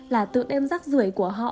là tự đem rắc rưỡi của họ